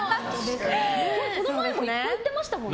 その前も言ってましたもんね。